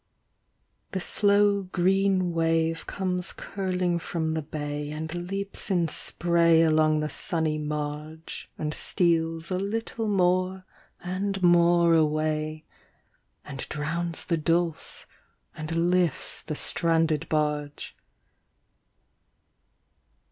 The slow green wave comes curling from the bay And leaps in spray along the sunny marge, ■ And steals a little more and more away, And drowns the dulse, and lifts the stranded batge.